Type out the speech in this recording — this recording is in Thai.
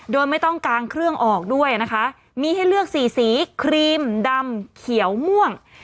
โดยไม่ต้องกางเครื่องออกด้วยนะคะมีให้เลือกสี่สีครีมดำเขียวม่วง